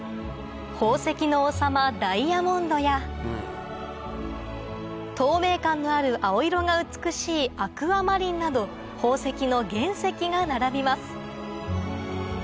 宝石の王様ダイヤモンドや透明感のある青色が美しいアクアマリンなど宝石の原石が並びます